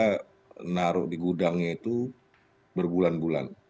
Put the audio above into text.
dia menaruh di gudangnya itu berbulan bulan